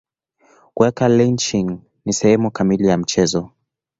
Kuweka lynching ni sehemu kamili ya mchezo.